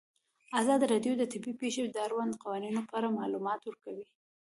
ازادي راډیو د طبیعي پېښې د اړونده قوانینو په اړه معلومات ورکړي.